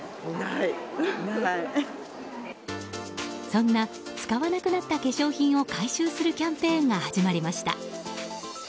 そんな使わなくなった化粧品を回収するキャンペーンが始まりました。